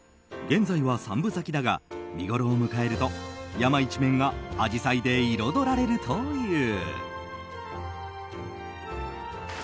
現在は三分咲きだが見ごろを迎えると山一面がアジサイで彩られるという。